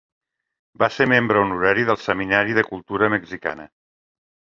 Va ser membre honorari del Seminari de Cultura Mexicana.